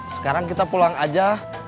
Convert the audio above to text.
sekarang kita pulang aja